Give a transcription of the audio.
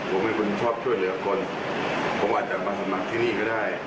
ผมอาจจะมาสมัครที่นี่ก็ได้